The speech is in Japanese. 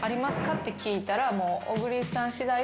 って聞いたら。